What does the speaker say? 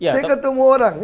saya ketemu orang